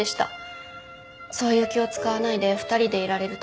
そういう気を使わないで２人でいられる友達。